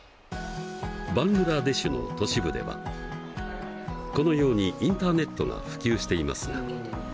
バングラデシュの都市部ではこのようにインターネットが普及していますが。